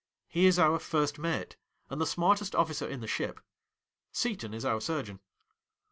He is our first mate, and the smartest officer in the ship. Seton is our surgeon.